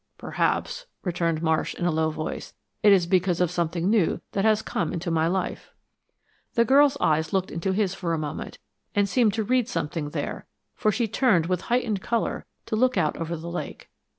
"Perhaps," returned Marsh, in a low voice, "it is because of something new that has come into my life." The girl's eyes looked into his for a moment, and seemed to read something there, for she turned with heightened color to look out over the lake.